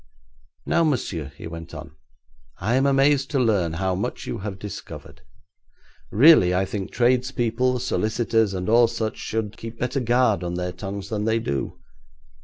'Now, Monsieur,' he went on, 'I am amazed to learn how much you have discovered. Really, I think tradespeople, solicitors, and all such should keep better guard on their tongues than they do.